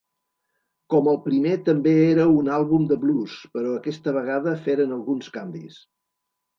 Com el primer també era un àlbum de blues, però aquesta vegada feren alguns canvis.